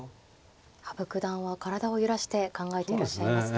羽生九段は体を揺らして考えていらっしゃいますね。